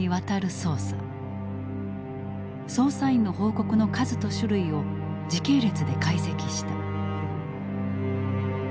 捜査員の報告の数と種類を時系列で解析した。